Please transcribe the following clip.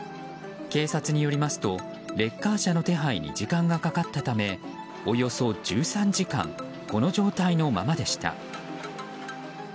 警察によりますとレッカー車の手配に時間がかかったためおよそ１３時間この状態のままでした。